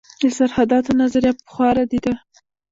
د سرحداتو نظریه پخوا ردېده.